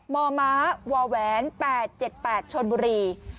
มมแหวน๘๗๘ชนบุรี